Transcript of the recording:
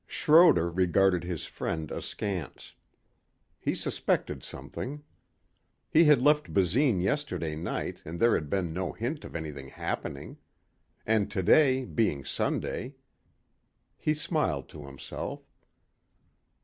Schroder regarded his friend askance. He suspected something. He had left Basine yesterday night and there had been no hint of anything happening. And today being Sunday.... He smiled to himself.